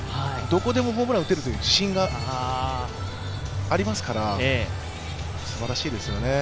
どこでもホームランを打てるという自信がありますからすばらしいですよね。